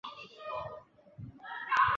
圣皮耶尔谢里尼亚。